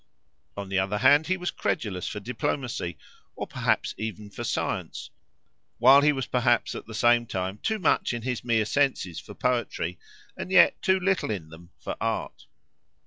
On the other hand he was credulous for diplomacy, or perhaps even for science, while he was perhaps at the same time too much in his mere senses for poetry and yet too little in them for art.